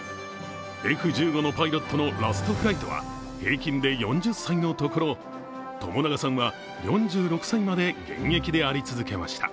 Ｆ１５のパイロットのラストフライトは平均で４０歳のところ、朝長さんは４６歳まで現役であり続けました。